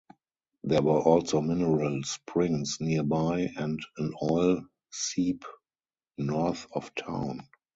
There were also mineral springs nearby, and an oil seep north of town.